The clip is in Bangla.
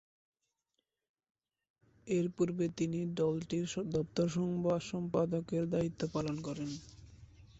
এরপূর্বে তিনি দলটির দপ্তর সম্পাদকের দায়িত্ব পালন করেন।